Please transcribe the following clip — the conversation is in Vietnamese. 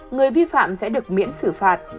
người vi phạm sẽ được miễn xử phạt